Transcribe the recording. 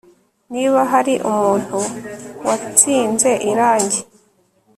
niba hari umuntu wansize irangi